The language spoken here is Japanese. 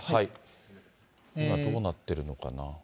今どうなってるのかな。